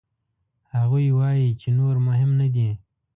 هغوی وايي چې نور مهم نه دي.